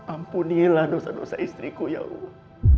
ampunilah dosa dosa istriku ya allah